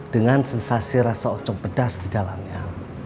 dengan sensasi rasa ocok pedas di dalamnya